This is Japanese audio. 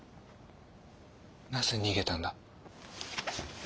なぜ逃げたんだ？